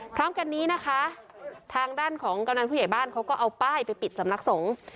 พร้อมกันนี้นะคะทางด้านของกำนันผู้ใหญ่บ้านเขาก็เอาป้ายไปปิดสำนักสงฆ์